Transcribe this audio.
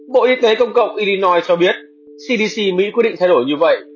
bộ y tế công cộng iinois cho biết cdc mỹ quyết định thay đổi như vậy